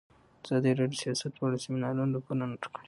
ازادي راډیو د سیاست په اړه د سیمینارونو راپورونه ورکړي.